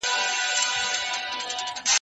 بشري پانګه هم په پرمختګ کي رول لري.